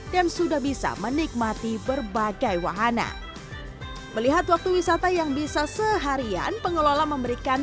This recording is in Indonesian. dan sudah bisa menikmati berbagai wahana melihat waktu wisata yang bisa seharian pengelola memberikan